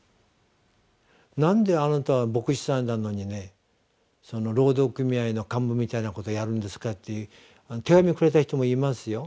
「なんであなたは牧師さんなのに労働組合の幹部みたいなことをやるんですか？」って手紙をくれた人もいますよ。